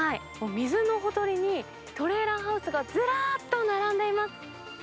水のほとりに、トレーラーハウスがずらっと並んでいます。